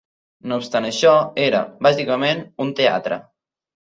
No obstant això, era, bàsicament, un teatre.